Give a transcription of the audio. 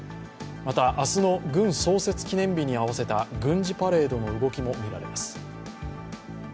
また、明日の軍創設記念日に合わせた軍事パレードの動きも見られます。